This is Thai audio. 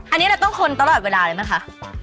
อันนี้เราต้องคนตลอดเวลาเลยนะคะ